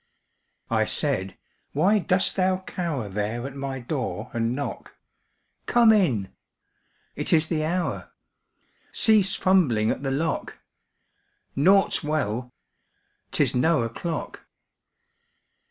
I said, _Why dost thou cower There at my door and knock? Come in! It is the hour! Cease fumbling at the lock! Naught's well! 'Tis no o'clock!